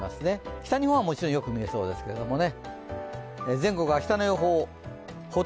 北日本はもうちょいよく見えそうですけどね。